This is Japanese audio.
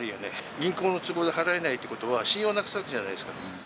銀行の都合で払えないっていうことは、信用なくすわけじゃないですか。